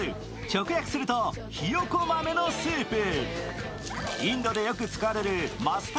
直訳すると、ひよこ豆のスープ。